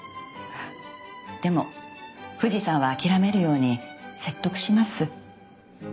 でも富士山は諦めるように説得します。